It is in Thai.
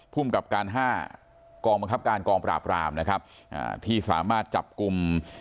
ภูมิกับการห้ากองบังคับการกองปราบรามนะครับอ่าที่สามารถจับกลุ่ม